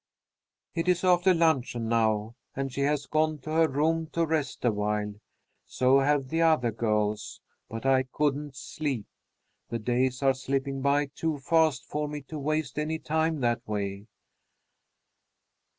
"It is after luncheon now, and she has gone to her room to rest awhile. So have the other girls. But I couldn't sleep. The days are slipping by too fast for me to waste any time that way."